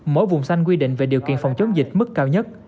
mỗi vùng xanh quy định về điều kiện phòng chống dịch mức cao nhất